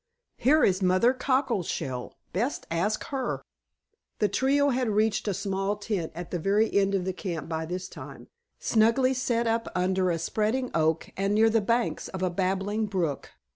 "Here is Mother Cockleshell. Best ask her." The trio had reached a small tent at the very end of the camp by this time, snugly set up under a spreading oak and near the banks of a babbling brook.